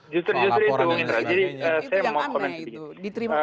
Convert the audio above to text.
justru itu menteri jadi saya mau komentar sedikit